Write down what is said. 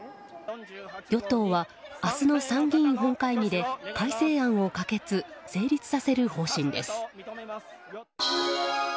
与党は明日の参議院本会議で改正案を可決・成立させる方針です。